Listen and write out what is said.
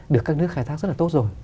được các nước khai thác rất là tốt rồi